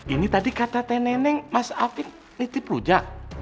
ini tadi kata teneneng mas afif nitip rujak